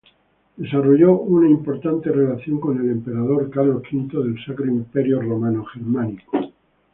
Desarrolló una importante relación con el emperador Carlos V del Sacro Imperio Romano Germánico.